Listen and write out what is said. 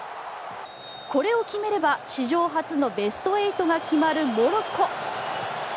これを決めれば史上初のベスト８が決まるモロッコ。